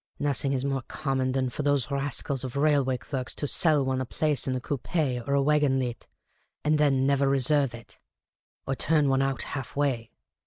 Nothing is more common than for those rascals of railway clerks to sell one a place in a coupe or a tvagon lit, and then never reserve it, or turn one out half way.